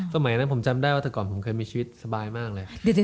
สมัยนั้นผมจำได้ว่าแต่ก่อนผมเคยมีชีวิตสบายมากเลย